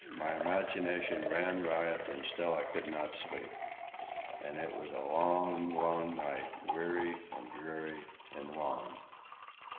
My imagination ran riot, and still I could not sleep. And it was a long, long night, weary and dreary and long.